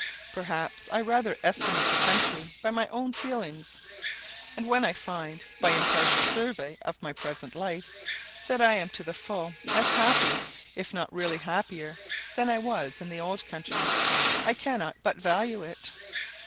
Perhaps I rather estimate the country by my own feelings; and when I find, by impartial survey of my present life, that I am to the full as happy, if not really happier, than I was in the old country, I cannot but value it.